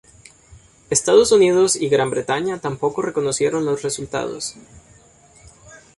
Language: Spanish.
Estados Unidos y Gran Bretaña tampoco reconocieron los resultados.